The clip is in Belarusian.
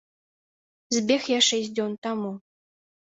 Збег я шэсць дзён таму.